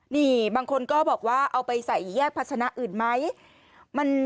นี่บางคนก็บอกว่าเอาไปใส่แยกพัชนะอื่นไหม